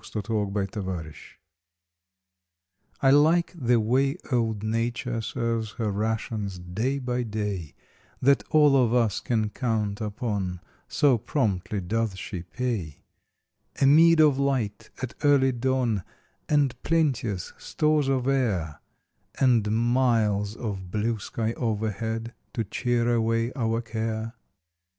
August Second RATIONS T LIKE the way old Nature serves her rations day by day That all of us can count upon, so promptly doth she pay A meed of light at early dawn, and plenteous stores of air, And miles of blue sky overhead to cheer away our care.